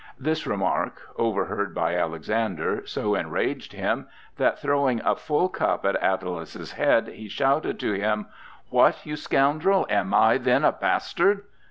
This remark, overheard by Alexander, so enraged him that, throwing a full cup at Attalus's head, he shouted to him: "What, you scoundrel! am I then a bastard?"